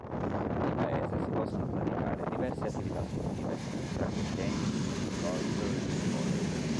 In paese si possono praticare diverse attività sportive, tra cui tennis, minigolf, beach volley.